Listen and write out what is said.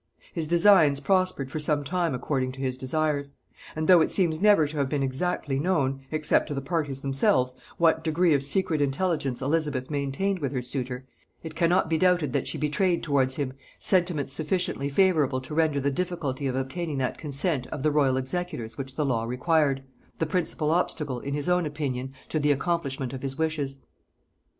His designs prospered for some time according to his desires; and though it seems never to have been exactly known, except to the parties themselves, what degree of secret intelligence Elizabeth maintained with her suitor; it cannot be doubted that she betrayed towards him sentiments sufficiently favorable to render the difficulty of obtaining that consent of the royal executors which the law required, the principal obstacle, in his own opinion, to the accomplishment of his wishes.